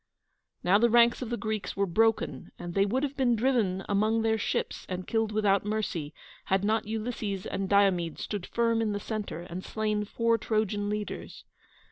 Now the ranks of the Greeks were broken, and they would have been driven among their ships and killed without mercy, had not Ulysses and Diomede stood firm in the centre, and slain four Trojan leaders.